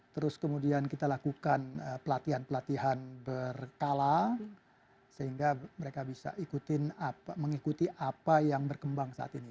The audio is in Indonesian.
terus kemudian kita lakukan pelatihan pelatihan berkala sehingga mereka bisa mengikuti apa yang berkembang saat ini